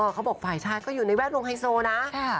เขาบอกฝ่ายชายก็อยู่ในแวดวงไฮโซนะ